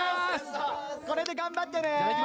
これで頑張ってね。